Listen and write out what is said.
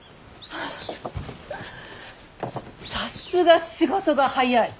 さすが仕事が早い！